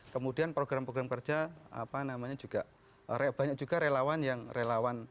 kemudian program program kerja apa namanya juga banyak juga relawan yang relawan